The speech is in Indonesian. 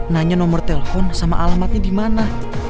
nanya nomor telepon sama alamatnya di mana